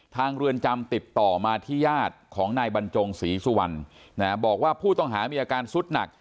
เรือนจำติดต่อมาที่ญาติของนายบรรจงศรีสุวรรณบอกว่าผู้ต้องหามีอาการสุดหนัก